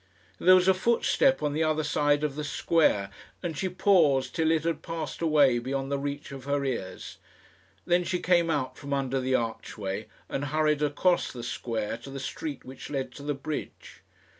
There was a footstep on the other side of the square, and she paused till it had passed away beyond the reach of her ears. Then she came out from under the archway, and hurried across the square to the street which led to the bridge.